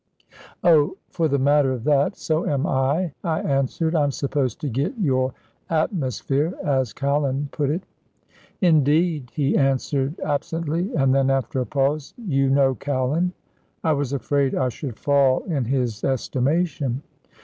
"Oh, for the matter of that, so am I," I answered. "I'm supposed to get your atmosphere, as Callan put it." "Indeed," he answered, absently, and then, after a pause, "You know Callan?" I was afraid I should fall in his estimation.